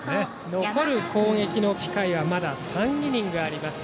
残る攻撃の機会はまだ３イニングあります。